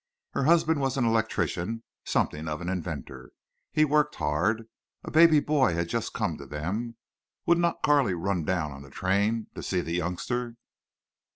Her husband was an electrician—something of an inventor. He worked hard. A baby boy had just come to them. Would not Carley run down on the train to see the youngster?